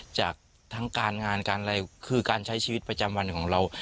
จากทั้งการงานการอะไรคือการใช้ชีวิตประจำวันของเรา